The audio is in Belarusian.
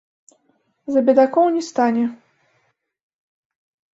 За бедакоў не стане!